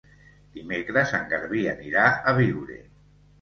Dimecres en Garbí anirà a Biure.